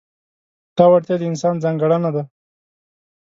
دا وړتیا د انسان ځانګړنه ده.